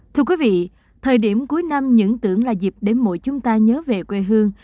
thưa quý vị thời điểm cuối năm những tưởng là dịp để mỗi chúng ta nhớ về quê hương